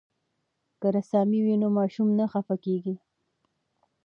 که رسامي وي نو ماشوم نه خفه کیږي.